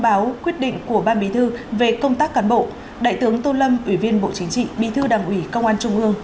báo quyết định của ban bí thư về công tác cán bộ đại tướng tô lâm ủy viên bộ chính trị bí thư đảng ủy công an trung ương